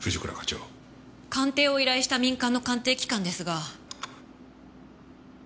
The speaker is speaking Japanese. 鑑定を依頼した民間の鑑定機関ですが。